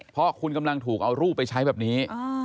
เพราะคุณกำลังถูกเอารูปไปใช้แบบนี้